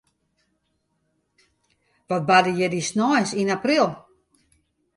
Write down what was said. Wat barde hjir dy sneins yn april?